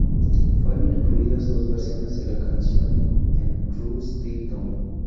Fueron incluidas dos versiones de la canción en "R U Still Down?